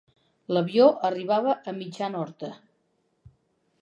L'avió arribava a mitjan horta.